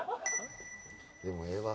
でもええわ。